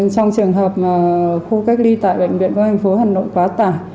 trong trường hợp mà khu cách ly tại bệnh viện công an thành phố hà nội quá tả